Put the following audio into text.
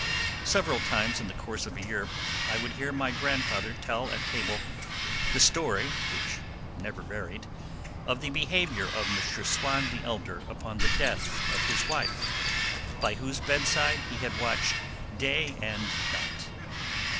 Several times in the course of a year I would hear my grandfather tell at table the story, which never varied, of the behaviour of M. Swann the elder upon the death of his wife, by whose bedside he had watched day and night.